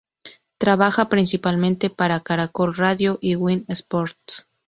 Trabaja principalmente para Caracol Radio y Win Sports.